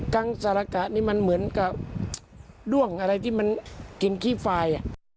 ังสารกะนี่มันเหมือนกับด้วงอะไรที่มันกินขี้ไฟ